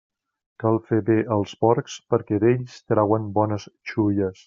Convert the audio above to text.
Cal fer bé als porcs, perquè d'ells trauen bones xulles.